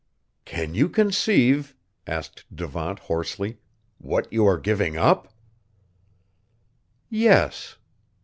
"Can you conceive," asked Devant hoarsely, "what you are giving up?" "Yes."